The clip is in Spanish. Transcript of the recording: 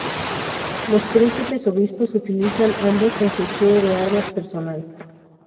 Los Príncipes-Obispos utilizan ambos en su escudo de armas personal.